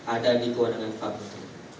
ada di kewarangan pabrik